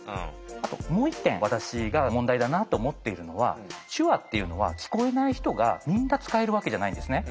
あともう一点私が問題だなと思っているのは手話っていうのは聞こえない人がみんな使えるわけじゃないんですね。